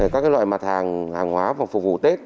các loại mặt hàng hàng hóa và phục vụ tết